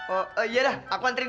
oh iya dah aku anterin ya